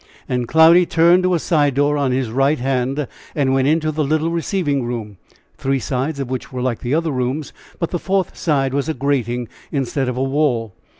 And Cloudy turned to a side door on his right hand, and went into the little receiving room, three sides of which were like other rooms, but the fourth side was a grating instead of a wall.